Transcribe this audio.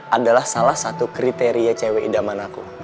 adalah salah satu kriteria cewek idaman aku